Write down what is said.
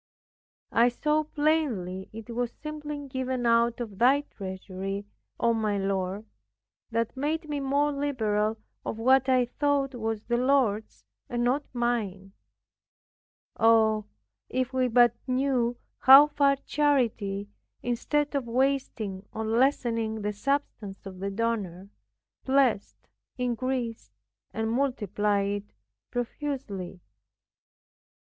I saw plainly it was simply given out of Thy treasury, O my Lord, that made me more liberal of what I thought was the Lord's, and not mine. Oh, if we but knew how far charity, instead of wasting or lessening the substance of the donor, blessed, increased and multiplied it profusely.